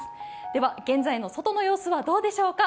では現在の外の様子はどうでしょうか？